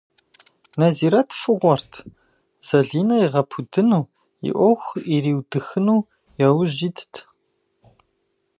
Нэзирэт фыгъуэрт, Зэлинэ игъэпудыну, и ӏуэху ириудыхыну яужь итт.